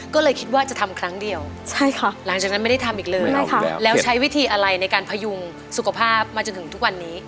ก็เลยคิดว่าจะทำครั้งเดียวใช่ค่ะหลังจากนั้นไม่ได้ทำอีกเลยแล้วใช้วิธีอะไรในการพยุงสุขภาพมาจนถึงทุกวันนี้